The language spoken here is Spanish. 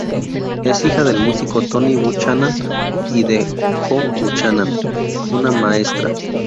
Es hija del músico Tony Buchanan y de Jo Buchanan, una maestra.